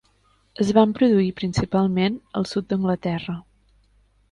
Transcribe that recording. Es van produir principalment al sud d'Anglaterra.